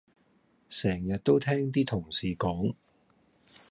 成日都聽啲同事講